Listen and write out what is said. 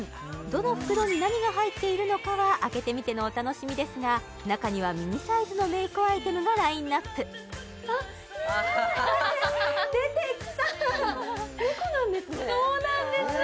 どの袋に何が入っているのかは開けてみてのお楽しみですが中にはミニサイズのメイクアイテムがラインナップあっ出てきた猫なんですね